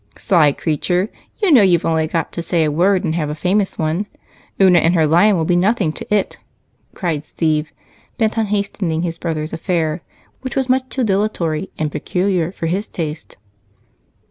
"Sly creature! You know you've only got to say a word and have a famous one. Una and her lion will be nothing to it," cried Steve, bent on hastening his brother's affair, which was much too dilatory and peculiar for his taste.